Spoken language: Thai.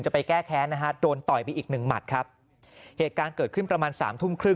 ไปแก้แค้นนะฮะโดนต่อยไปอีกหนึ่งหมัดครับเหตุการณ์เกิดขึ้นประมาณสามทุ่มครึ่ง